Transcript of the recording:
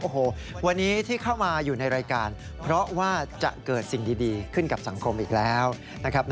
โอ้โหวันนี้ที่เข้ามาอยู่ในรายการเพราะว่าจะเกิดสิ่งดีขึ้นกับสังคมอีกแล้วนะครับ